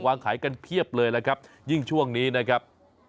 ขายกันเพียบเลยนะครับยิ่งช่วงนี้นะครับ